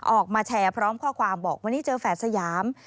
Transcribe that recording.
ออกมาแชร์พร้อมข้อความบอกวันนี้เจอแฝดสยาม